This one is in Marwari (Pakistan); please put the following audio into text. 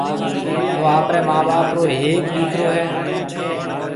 او آپرَي مان ٻاپ رو ھيَََڪ ڏيڪرو ھيََََ